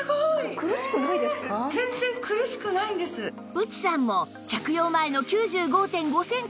内さんも着用前の ９５．５ センチから